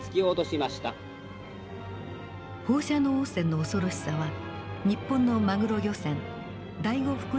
放射能汚染の恐ろしさは日本のマグロ漁船第五福龍